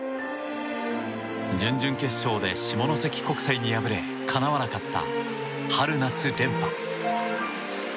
準々決勝で下関国際に敗れかなわなかった春夏連覇。